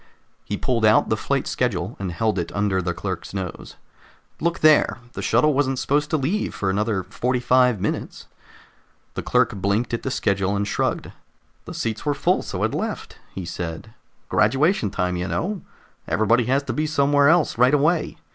He pulled out the flight schedule and held it under the clerk's nose. "Look there! The shuttle wasn't supposed to leave for another forty five minutes!" The clerk blinked at the schedule, and shrugged. "The seats were full, so it left," he said. "Graduation time, you know. Everybody has to be somewhere else, right away.